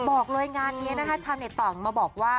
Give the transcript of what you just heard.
บอกเลยงานนี้นะคะชาวเน็ตต่างมาบอกว่า